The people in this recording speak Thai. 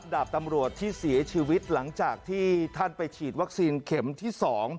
ดาบตำรวจที่เสียชีวิตหลังจากที่ท่านไปฉีดวัคซีนเข็มที่๒